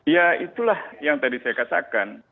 ya itulah yang tadi saya katakan